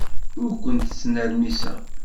Ur kent-ttnermiseɣ.